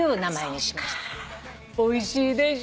おいしいでしょ。